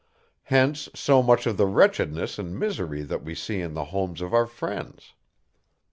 Hence, so much of the wretchedness and misery that we see in the homes of our friends.